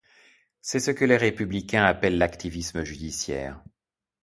C’est ce que les républicains appellent l’activisme judiciaire.